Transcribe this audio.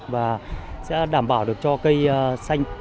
và sẽ đảm bảo được cho các cơ quan ban ngành đoàn thể của huyện